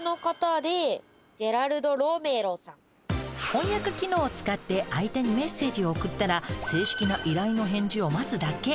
翻訳機能を使って相手にメッセージを送ったら正式な依頼の返事を待つだけ。